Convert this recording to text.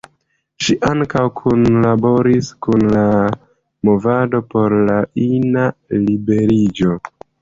Ŝi ankaŭ kunlaboris kun la movado por la ina liberiĝo.